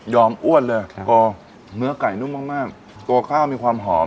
ยอมอ้วนเลยครับก็เนื้อก๋ายนุ่มมากมากตัวข้าวมีความหอม